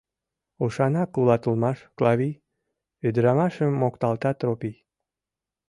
— Ушанак улат улмаш, Клавий! — ӱдырамашым мокталта Тропий.